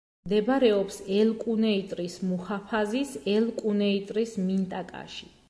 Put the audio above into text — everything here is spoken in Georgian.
მდებარეობს ელ-კუნეიტრის მუჰაფაზის ელ-კუნეიტრის მინტაკაში.